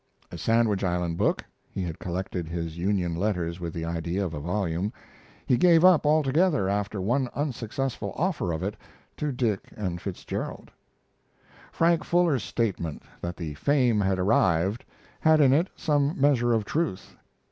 A Sandwich Island book (he had collected his Union letters with the idea of a volume) he gave up altogether after one unsuccessful offer of it to Dick & Fitzgerald. Frank Fuller's statement, that the fame had arrived, had in it some measure of truth.